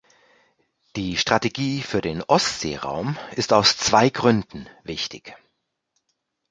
Die Strategie für den Ostseeraum ist aus zwei Gründen wichtig.